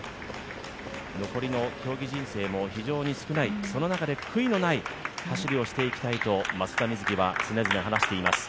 残りの競技人生も少ない、その中で、悔いのない走りをしていきたいと松田瑞生は常々、話しています。